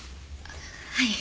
はい。